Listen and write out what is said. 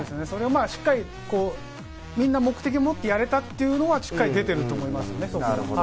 しっかりみんな目的を持ってやれたというのはしっかり出ていると思いますね。